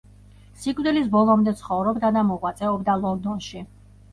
სიკვდილის ბოლომდე ცხოვრობდა და მოღვაწეობდა ლონდონში.